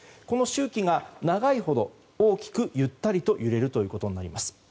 この周期が長いほど大きくゆったりと揺れるということになります。